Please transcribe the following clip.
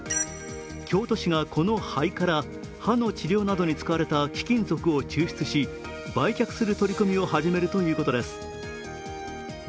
京都市がこの灰から歯の治療などに使われた貴金属を抽出し売却する取り組みを始めるということです。